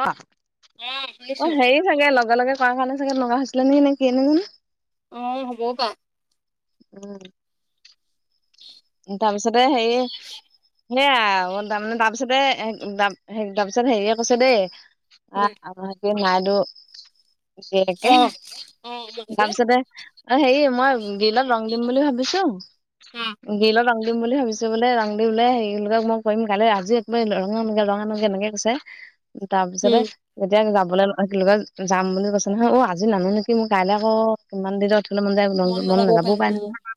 অ অ হেৰি চাগে নজনাকে কৰা কাৰণে, চাগে লগা হৈছিলে নে কি এনে অ, হ'ব বা [inaudible] তাৰপিছতে সেই সেয়া তাৰমানে তাৰপিছতে তাৰপিছত হেৰিয়ে কৈছে দেই অ আমাকে নো একে অ অ মানুহটোৱে তাৰপিছতে অ, হেৰি মই গলত ৰং দিম বুলি ভাবিছো। অ গিলত ৰং দিম বুলি ভাবিছো বোলে ৰাং দি বোলে সেইবিলাক মই কৰিম কাই আজি এক ৰং অনুংগে ৰং অনুংগে কৈ তাৰপিছতে উম যেতিয়া যাব য় কি যাম বুলি কৈছে নহয় অ আজি নানো নেকি মোৰ কাইলৈ আকৌ কিমান দিনত- মন যায় মন নাযাবও নযাবও পাৰে পাই উম নাহয়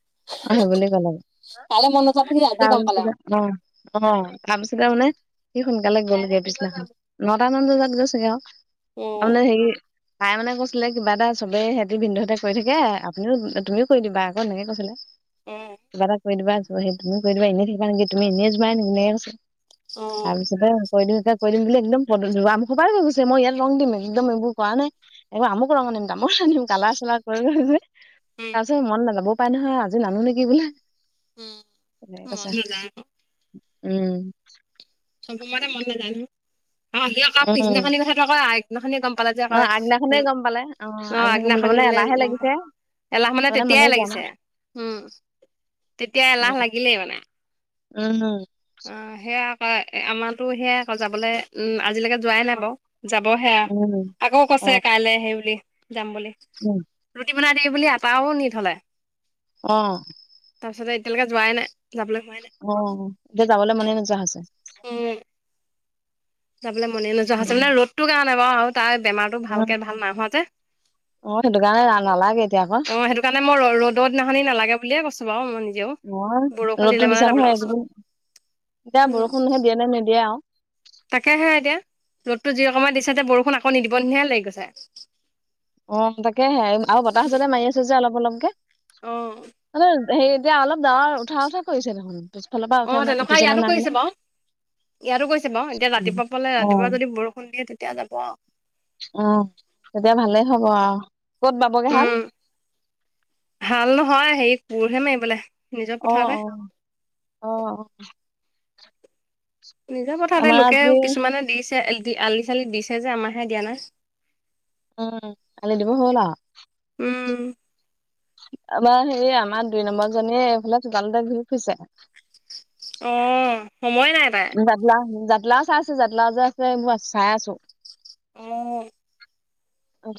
অ সেই বুলি ক'লে। অ অ। কাইলে মন নোযোৱাটো সি আজি গম পালে আৰু তাৰ মানে সি সোনকালে গ'লগে পিছনাখন নটা মান বজাত গৈ চগে আৰু অ আপুনাৰ হেৰি তাই মানে কৈছিলে কিবা এটা চবে সিহঁতি ভিন্ধহতে কৰি থাকে আপুনিও তুমিও কৰি দিবা আকৌ এনেকে কৈছিলে। উম কিবা এটা কৰি দিবা সেই তুমি কৰি দিব এনে থাকা নেকি তুমি এনেই যোৱা নেকি এনেকে কৈছে। তাৰপিছতে কৈ দিম এ কৈ দিম বুলি একদম পদ আম সবাৰেৈ গুছে মই ইয়াত ৰং দিম একদম এইবোৰ কৰা নাই একবাৰ আমুক ৰং ম কামৰ চানিম কালা চালা কৰি যে উম তাৰ পিছত মন নাযাবও পাৰে নহয় আজি নানো নেকি বোলে। উম তেনেকে কৈছে মন উম। চব সময়তে মন নাজাই নহয় অ সিাপ উম পিছদিনাখনি কথাটো আকৌ আগদিনাখনি গম কলত যে অ কয়, আগদিনাখনে গম পালে অ' গম পালে আগদিনাখন মানে নিলে এলাহে গম পাম। লাগিছে এলাহ মানে, তাৰমানে মনে তেতিয়াই যোৱা লাগিছে। নাই উম'। তেতিয়া এলাহ উম লাগিলেই মানে। অ' সেয়া। হয়, আমাৰতো সেয়াই আকৌ যাবলৈ উম' আজিলৈকে যোৱাই নাই বাৰু। যাব হে আৰু উম উম আকৌ অ কৈছে কাইলে সেই বুলি, যাম বুলি। উম ৰুটি। বনাই দেই বুলি আটাও নি থলে। অ'। একেলগে যোৱাই নাই। যাবলৈ হোৱাই নাই অ', এতিয়া, যাবলৈ মনেই নোজোৱা হৈছে। উম'। যাবলৈ মনে নোযোৱা হৈছে। উম মানে ৰ'দটো কাৰণেই বাৰু আৰু তাইৰ বেমাৰটো উম ভালকে ভাল নাই হোৱা যে। অ সেইটো কাৰণে নালাগে এতিয়া আকৌ অ' সেইটো কাৰণে, মই ৰ-ৰ'দৰ দিনাখনেই নালাগে বুলিয়ে কৈছো বাৰু মই নিজেও। মই বৰষুণ দিলে ৰ'দটো মানে দিছা যাবলৈ নহয় কৈছো একদিন, এতিয়া উম বৰষুণহে দিয়ে নে নিদিয়ে আৰু। টো যি অকমান দিছে, যে বৰষুণ আকৌ নিদিব নিহে লাগি গৈছে। অ, তাকে হে আৰু বতাহজাতে মাৰি আছে যে অলপ অলপকে, অ মানে সেই এতিয়া, অলপ ডাৱৰ উঠা উঠা কৰিছে দেখোন। পিছফালৰ পৰা উঠা অ' নাই তেনেকুৱা উঠিছে নে ইয়াতো নাই কৰিছে বাৰু। ইয়াতো কৰিছে বাৰু এতিয়া জানো ৰাতিপুৱা পালে অ ৰাতিপুৱা যদি বৰষুণ দিয়ে তেতিয়া যাব আৰু। অ' তেতিয়া ভালেই হব আৰু। ক'ত পাবগে হাল উম' ভাল নহয় হেৰি পোৰহে মাৰিবলে। নিজৰ অ, পথাৰতে অ, অ। নিজৰ কথাতে আমাৰ লোকে, আজি কিছুমানে দিছে। দি আলি চালি দিছে যে, আমাৰ হে দিয়া নাই। উম আলি দিব হ'ল আৰু। উম। আমাৰ হেৰি, আমাৰ দুই নম্বৰ জনীয়ে এইফালে চোকালতে ঘূৰি ফুৰিছে। অ'। সময় নাই তাই জাতিলাও জাতিলাও চাই আছে, জাতিলাও যে আছে মই চাই আছো। উম',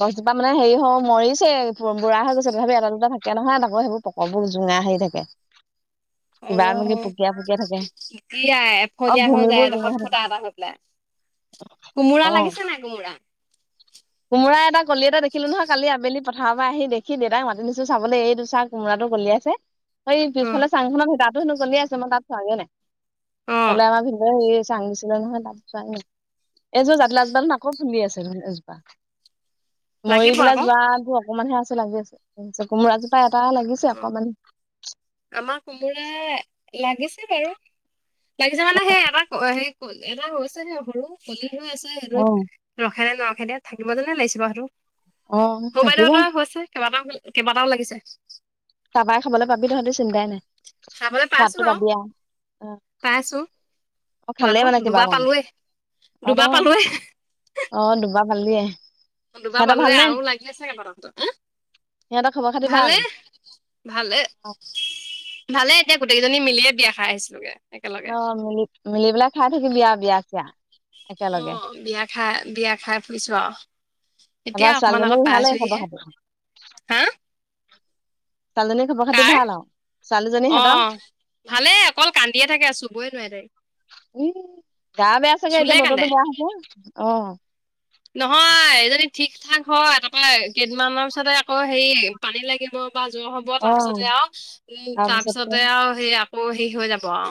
গছজোপা মানে হেৰি হ মৰিছে। বুঢ়া হৈ গৈছে তথাপি, এটা দুটা থাকে নহয় তাকো সেইবোৰ প্ৰকবোৰ। জোঙা হেৰি থাকে। অ কিবা নেকি পুকিয়াই পুকিয়াই থাকে। এতিয়াই, অ এফলীয়া হৈ যায় ভূমিবোৰ জোঙা এডোখৰ হৈ থাকে ফুটা এটা হৈ পেলাই। কোমোৰা অ লাগিছে নাই কোমোৰা। কোমৰা এটা কলি এটা দেখিলো নহয় কালি আবেলি পথাৰৰ পৰা আহি দেখি দেউতাক মাতি নিছো চাবলৈ এইটো চা কোমোৰাটো কলিয়াছে। সেই উম পিছফালে চাংখনত ফুটা হেনো কলিয়াইছে মই তাত চোৱাগে নাই। অ সিফালে আমাৰ দিব হি। চাং দিছিলে নহয়, তাত চোৱাগেই এইযোৰ জাতিলাউ জোপা আকৌ ফুলি আছে ন এজোপা। মৰি লাগিব পেলাই আকৌ যোৱাটো অকণমানহে আছে লাগি আছে। কোমোৰা জো। এটা-এটা লাগিছে, অকমান। আমাৰ কোমোৰা, লাগিছে বাৰু। লাগিছে মানে সেই এটা সেই ক এটা হৈছে নে সৰু কলি। অ' আছে সেইটো, অ ৰখে নে নৰখে দে থাকিব যেনে লাগিছে বাৰু অ সেইটো। হ' থাকিব বাইদেউত হৈছে, কেইবাটাও-কেইবাটাও লাগিছে। চাবাই। খাবলৈ পাবি তহঁতে চিন্তাই নাই। খাবলৈ পাইছো সোৱাদটো বাৰু পাবি আৰু। পাইছো অ' খালেই পোৱাতো মানে কিবা দুবাৰ অকণ। পালোৱে দুবাৰ পালোৱে অহ'-অহ' দুবাৰ ভাল দিয়ে। দুবাৰ পালোৱে আৰু লাগি আছে কেইবাটাও তাহঁতৰ হে। সিহঁতৰ খবৰ খাতি ভাল ভালে-ভালে। ভালে, এতিয়া গোটেইজনী মিয়ে বিয়া খাই আহিছিলোগে। একেলগে অহ' মিলি মিলি পেলাই খাই থাকিব আৰু বিয়া চিয়া। একেলগে অ' বিয়া খাই বিয়া খাই ফুৰিছো আৰু। তাৰপৰা এতিয়া অকমান ছোৱালীজনীও আগত পাই ভালেই খবৰ আছোহহে খাতি হা, ছালজনী খাব খাতি কাৰ ভাল আৰু। ছোৱালীজনী সিহঁতৰ অ' ভালেই অকল কান্দিয়ে থাকে চুবই নোৱি তাইক। উম, গা বেয়া চাগে চুলে এতিয়া কান্দে বতৰটো বেয়া আ হৈছে অ', নহয় এইজনী ঠিক ঠাক হয় তাৰপৰা কেইদিনমানৰ পিছতে আকৌ হেৰি পানী লাগিব। বা জ্বৰ হব অ তাৰ পিছতে আৰু উম তাৰ তাৰপিছতে পিছতে আৰু সেই আকৌ হেৰি হৈ যাব আৰু।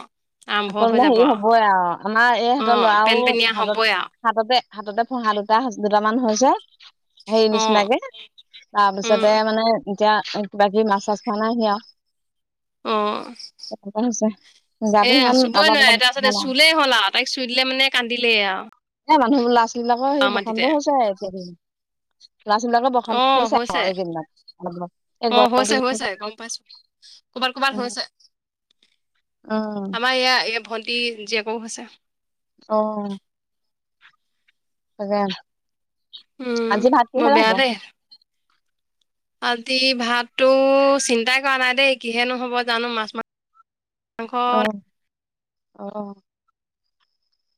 আৰম্ভ আকৌ হৈ মানে যাব হেৰি হবই আৰু আ', ম অ এইহঁতৰ ল'ৰাও পেনপেনীয়া হাতত হবই আৰু হাততে হাততে ফহা দুটা দুটামান হৈছে। হেৰি অ নিচিনাকে উম তাৰপিছতে মানে এতিয়া কিবা কিবি মাছ চাছ খোৱা নাই সি অ আৰু হৈছে গ এ চুবই নোৱাৰে তাৰপাছততে চুলেই হ'ল আৰু তাইক চুইিলোনে কান্দিলেই আৰু। এ মানুহবোৰ লৰাোৱালীবিলাকৰ সেই আৰু মাটিতে বসন্ত হৈছে এতিয়া। ল'ৰা ছোৱালী বিলাকৰ বসন্ত অ' আকৌ হৈছে এইকেইদিনত অলপ অলপ এই অ' গৰম হৈছে হৈছে গম পাইছো। কবাৰ কোবাৰ উম হৈছে। উম আমাৰ ইয়া এই ভণ্টি জীয়েকো হৈছে। অহ, তাকে উম আজি ভাত বৰ কিহে বেয়া হব। দেই আজি ভাতটো চিন্তাই কৰা নাই দেই কিহেনোহ'ব জানো মাছ-মাছ, মাংস অ ত অ'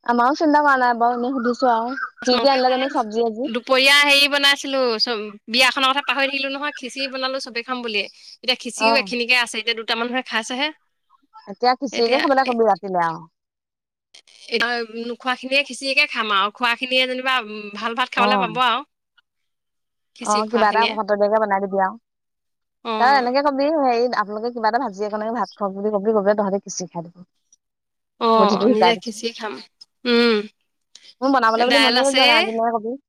আমও চিন্তা ম নবওনে সুধিছো আৰু মাছ কি কি মংস আনিলে খাই জানো আহিছো চব্জি আজি দুপৰীয়া হেৰি বনাইছিলো চব। বিয়া খনৰ কথা পাহৰি থাকিলো নহয় খিচি বনালো চবেই খাম বিয়ে এতিয়া অ খিচিওখিনিকে আছে এতিয়া কেইটা মানুহে খাইছেহে। এতিয়া খিচিয়কে খাবলৈ কবি ৰাতিলে আৰু। এ নোখোৱা খিনিয়ে খিচিকে খাম আৰু খোৱা খিনিয়ে যেনিবা উম, ভাল-ভাত খাবলৈ অ', পাব আৰু। খিচিৰি অ' খোৱা কিবা এটা খিনিয়ে সততীয়াকে বনাই দিবি আৰু অ ত এনেকে কবি হেৰি। আপোনালোকে কিবা এটা ভাজি এখনেৰে ভাত খাওঁ বুলি-বুলি গলে তহঁতে কিচি খাই দিব। আহ নিজে খিচিৰি খাম উম মোৰ বনাবলৈ বুলি দাইল মনে আছে যোৱা নাই আজিলৈ কবি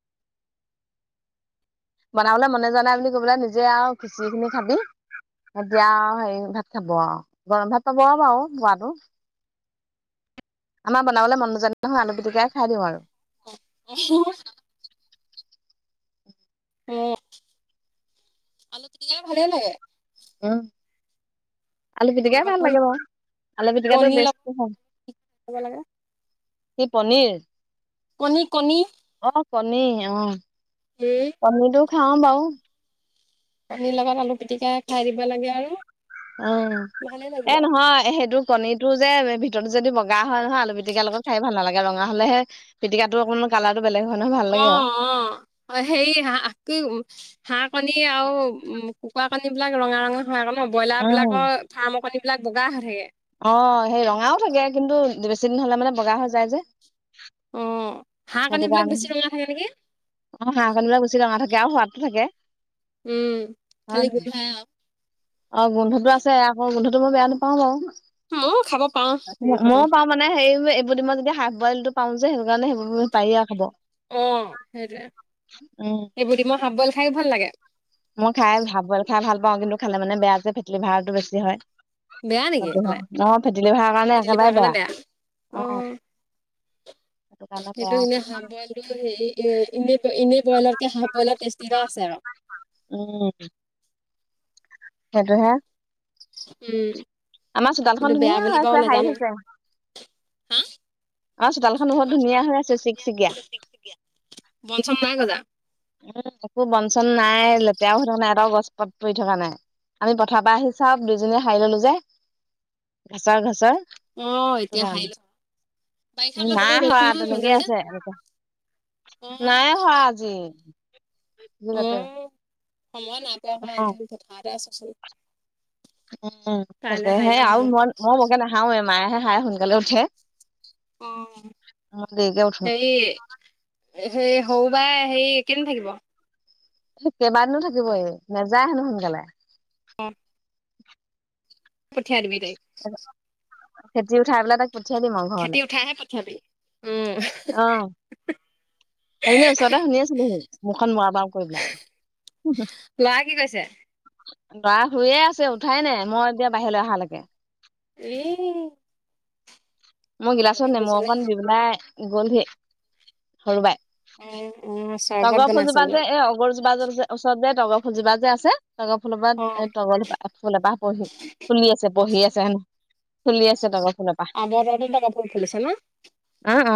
বনাবলৈ মনে যোৱা নাই বুলি কৈ লৈ নিজে আৰু খিচিৰি খিনি খাবি,, এতিয়া হেৰি ভাত খাব আৰু গৰম ভাত পাব আৰু বাৰু খোৱাটো আমাৰ বনাবলৈ মন নাযায় নহয় আলু পিটিকাই খাই দিওঁ আৰু। উ [unintelligible] আলু তিটিকা ভালেই লাগে হা [unintelligible] আলু পিটিকাই কেতিয়াবা ভাল কণী লাগে বাৰু আলু পিটিকাটো কণী বেছ লগ ভাল খাব লাগে কি পনীৰ, কণী কণী, অ কণী অ, উম কণীটো খাও বাৰু, কনীৰ লগত আলু পিটিকা খাই দিব লাগে আৰু, উম ভালে এ লাগিব। নহয় সেইটো কণীটো যে ভিতত যদি বগা হয় নহয় আলু পিটিকাৰ লগত খাই ভালাগে ৰঙা হলেহে পিটিকাটো অকমান কালাৰটো বেলেগ হয় নহয় ভাল অ লাগে আৰু অ সেইয়া [unintelligible] হাঁহ কণী আৰু উম কুকুৰা কণী বিলাক ৰঙা ৰঙা হয় আকৌ ন ব্ৰইলাৰ উম। বিলাকৰ ফাৰ্মৰ কণী বিলাক বগা হৈ থাকে। অ সেই ৰঙাও থাকে কিন্তু বেছি দিন হলে মানে বগা হৈ যায় যে। অ', হাঁহ কণী সেইটো বিলাক কাৰণে, বেছি ৰঙা থাকে নেকি অ হাঁহ কণী বিলাক বেছি ৰঙা থাকে। আৰু সোৱাদো থাকে। উম হয় খালি নহয়? [inaudible] অ গোন্ধটো আছে আকৌ গোন্ধটো মই বেয়া নাপাওঁ বাও। ময়ো খাব পাৰো গোন্ধটো মও পাওঁ মানে সেই এইবোৰ দম যেতিয়া হাফ বইলটো পাও যে সে সেইকাৰণে সেইবোৰ পাৰি আও খাব। অ', সেইটোৱে উম এইবোৰ দিমৰ হাফ বইল খাইও ভাল লাগে। মই খায় হাফ বৱেল খায় ভাল পাওঁ, কিন্তু খালে মানে বেয়া যে ফেটী লিভাৰটো বেছি হয়। বেয়া নেকি খালে অহ ফেটী লিভাৰ কাৰণে ফেটি লিভাৰ একেবাৰে কাৰণে বেয়া। অ। কাৰণে সেইটো বেয়া এনে আকৌ, হাফ বৱেল বুলি সেই এ এনে এনেই বৱেলতকে হাফ বৱেলৰ টেষ্টি এটা আছে আৰু। সেটো হে। উম কিন্তু বেয়া ধুনীয়া হৈ বুলি বাও আছে সাৰি নাজানো, থৈছে, হা? আমাৰ চোতালখন বহুত ধুনীয়া হৈ আছে চিকচিকীয়া, বন চন নাই গজা? একো বন চন নাই লেতেৰাও হৈ থকা নাই এটাও গছ পাত পৰি থকা নাই। আমি পথাৰ পৰা আহি চাও দুইজনীয়ে সাৰি ল'লো যে ঘছৰ-ঘচৰ। অ সেইটো এতিয়া কাৰণে, হাৰিলো বাৰিষা অলপ বন নাই গ'ল সৰা নহয় মাজে তেনেকেই মাজে আছে। অ নাই হোৱা আজি। অ সময় নাইপোৱা ন অ [unintelligible] পথাৰতে আছো চোন। উম, তাকে সে হ'ব আৰু মই-মই বৰকে নাসাৰুৱে মায়েহে সাৰে সোনকালে উঠে। অ', মই দেৰিকে উঠো, হেৰি [unintelligible] [unintelligible] হেৰি কেদিন থাকিব। কেইবাদিনো থাকিব এই নেযায় হেনো সোনকালে। অ'। [inaudible] পঠিয়াই দিবি তাইক। খেতি উঠাই পেলাই তাক পঠিয়াই দিম আৰু ঘৰলে, খেতি উঠাইহে পঠিয়াবি উম। অ'। সেইজনি ওচৰতে শুনি আছিল হি, মুখখন [unintelligible] কৰি পেলাই। ল'ৰাই কি কৈছে। ল'ৰা শুইয়ে আছে উঠাই নাই মই এতিয়া বাহিৰলৈ অহালৈকে। ই। মোৰ গিলাচত নেমু অকণ দি পেলাই অ', অ', চৰ্বত তগৰ বনাইছে ফুলজোপা মানে যে এ অগৰজোপা যে ওচৰত যে তগৰ ফুলজোপা যে আছে। তগৰ ফুলৰ পৰা অ', এ তগৰ ফুল এপাহ পহী ফুলি আছে পহি আছে ফুলি আছে তগৰ ফুল এপ [unintelligible] ফুলিছে ন। অ অ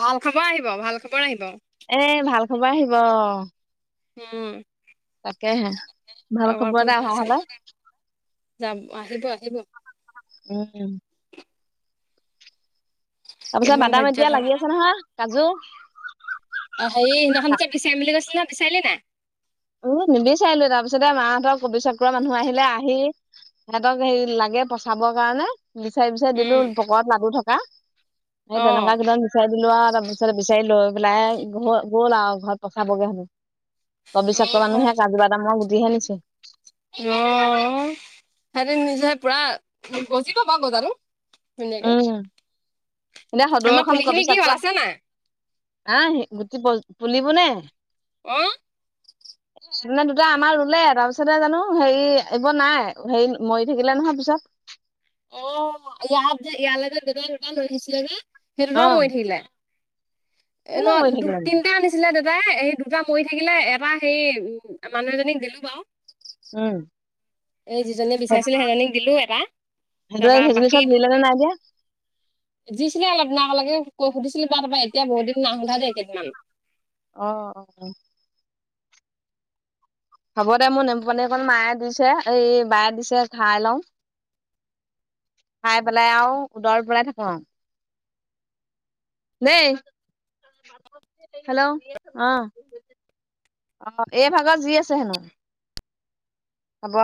ভাল খবৰ আহিব-ভাল খবৰ আহিব। এ ভাল খবৰ আহিব উম। তাকেহে ভাল খবৰ এটা অহা হ'লে। যাম আহিব- আহিব। উম। তাৰ পিছত কেইদিনমান বাদাম ধৈৰ্য্য এতিয়া ধৰ। লাগি আছে নহয় কাজু। অ', হেৰি সিনাখন যে বিচাৰিম বুলি কৈছিলে বিচাৰিলে নাই। উম নিবিচাৰিলো তাৰপিছতে মাহঁতৰ অফিচৰ পৰা মানুহ আহিলে আহি সিহঁতক হেৰি লাগে পচাবৰ কাৰণে। বিচাৰি-বিচাৰি দিলো উম, [unintelligible] লাডু থকা এই তেনেকুৱা অ'। কিবা বিচাৰ দিলো আও তাৰপিছত বিচাৰি লৈ পেলাই গ'ল আৰু ঘৰত পচাবগে হেনো। [unintelligible] অ', মানুহে কিবা এটা মই সুধি হে নিছো। অ', সিহঁতে নিজে পুৰা গজিব বাৰু গজাটো। ধুনীয়াকে, উম এতিয়া সদৌ আমাৰ পুলি খিনি কি হ'ল আছে নাই। আ গুটি প পুলিব নে। অ'। [inaudible] মানে দুটা আমাৰ ৰুলে তাৰপিছতে জানো হেৰি এইবোৰ নাই হেৰি মৰি থাকিলে নহয় পিছত। অ', ইয়াত যে ইয়ালৈকে দুটা- দুটা লৈ আহিছিলে যে সেই অ দুটাও মৰি থাকিলে। ন কেলে মৰি দু থাকিলে নো? তিনিটা আনিছিলে দে যাই সেই দুটা মৰি থাকিলে এটা সেই উ মানুহ এজনীক দিলো বাৰু। উম। এই যিজনীয়ে বিচাৰিছিলে সেইজনীক দিলোঁ এটা সেইটোৱে তাৰপৰা সেইজনী বাকী চব দু জুৰিলে নে নাই এতিয়া দিছিলে অলপ দিনৰ আগলেকে সুধিছিলো তাৰ তাৰপা এতিয়া বহুত দিন না সোধা দেই কেইদিনমান। অ'-অ'। হ'ব দে মোৰ নেমুপানী অকণ মায়ে দিছে এই বায়ে দিছে খাই লওঁ। খাই পেলাই আৰু উদৰত বৰাই থাকো আৰু। দেই হেল্ল' অহ, অ' এই ভাগত যি আছে হেনো হব।